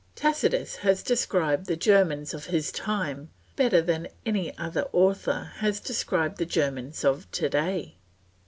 Tacitus has described the Germans of his time better than any author has described the Germans of to day.